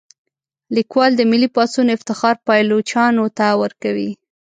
لیکوال د ملي پاڅون افتخار پایلوچانو ته ورکوي.